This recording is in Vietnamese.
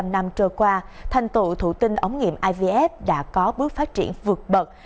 bốn mươi năm năm trôi qua thành tụ thủ tinh ống nghiệm ivf đã có bước phát triển vượt bậc